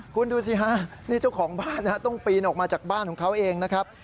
คุณดูสิฮะนี่เจ้าของบ้านต้องปีนออกมาจากบ้านของเขาเองนะครับ